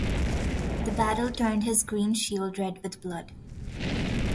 The battle turned his green shield red with blood.